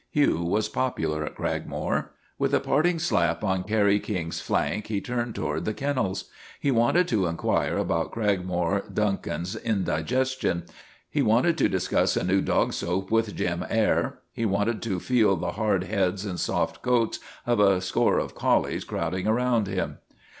Hugh was popular at Cragmore. With a parting slap on Kerry King's flank he turned toward the kennels. He wanted to inquire about Cragmore Duncan's indigestion ; he wanted to discuss a new r dog soap with Jim Eyre; he wanted to feel the hard heads and soft coats of a score of collies crowding about him.